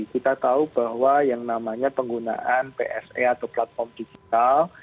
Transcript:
kita tahu bahwa yang namanya penggunaan pse atau platform digital